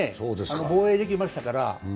防衛できましたから。